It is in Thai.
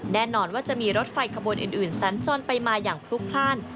แน่นอนว่าจะมีรถไฟขบวนอื่นสัญจรไปมาอย่างพลุกพลาด